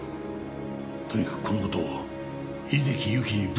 とにかくこの事を井関ゆきにぶつけてみよう。